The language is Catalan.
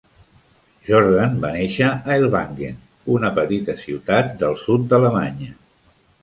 Jordan va néixer a Ellwangen, una petita ciutat del sud d'Alemanya.